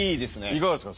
いかがですか？